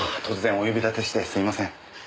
突然お呼び立てしてすみません。